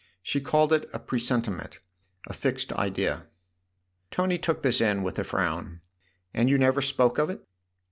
She called it a presentiment, a fixed idea." Tony took this in with a frown. "And you never spoke of it